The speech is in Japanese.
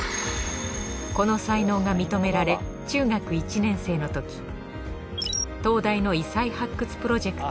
この才能が認められ中学１年生のとき東大の異才発掘プロジェクト